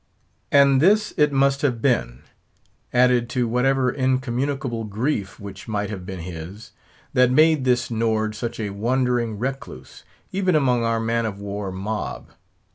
And this it must have been—added to whatever incommunicable grief which might have been his—that made this Nord such a wandering recluse, even among our man of war mob.